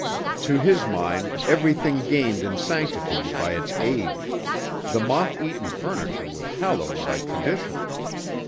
To his mind everything gained in sanctity by its age: the moth eaten furniture was hallowed by tradition.